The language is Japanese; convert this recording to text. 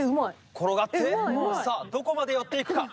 転がってどこまで寄っていくか。